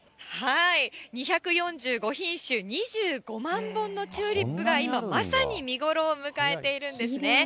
２４５品種、２５万本のチューリップが今、まさに見頃を迎えているんですね。